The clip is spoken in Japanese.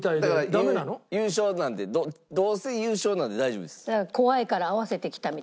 優勝なんでどうせ優勝なんで大丈夫です。